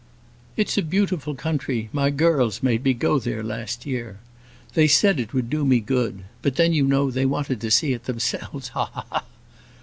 "It's a beautiful country; my girls made me go there last year. They said it would do me good; but then you know, they wanted to see it themselves; ha! ha! ha!